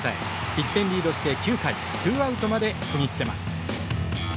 １点リードして９回ツーアウトまでこぎつけます。